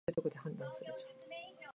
刮風的時候樹葉飛舞